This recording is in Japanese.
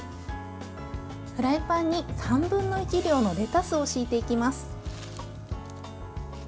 フライパンに３分の１以上のレタスを敷いていきます。